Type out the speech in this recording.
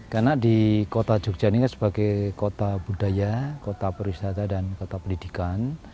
karena di kota jogja ini sebagai kota budaya kota perwisata dan kota pendidikan